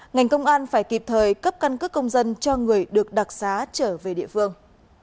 ngành công an phải kịp thời cấp căn cước công dân cho người được đặc xá trở về địa phương